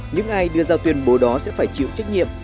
những ai đưa ra tuyên bố đó sẽ phải chịu trách nhiệm